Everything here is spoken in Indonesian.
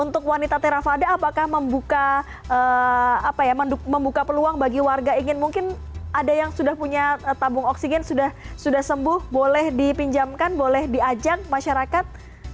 untuk wanita terafada apakah membuka peluang bagi warga ingin mungkin ada yang sudah punya tabung oksigen sudah sembuh boleh dipinjamkan boleh diajak masyarakat